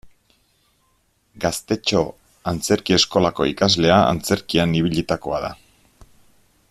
Gaztetxo Antzerki Eskolako ikaslea, antzerkian ibilitakoa da.